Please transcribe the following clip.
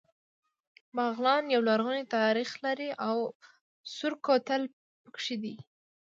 بغلان يو لرغونی تاریخ لري او سور کوتل پکې دی